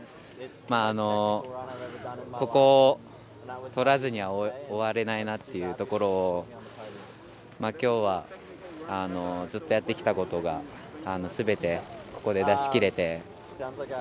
まあ、ここをとらずには終われないなというところを今日はずっとやってきたことがすべてここで出し切れて。